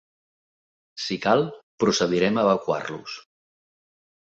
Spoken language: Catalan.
Si cal, procedirem a evacuarlos.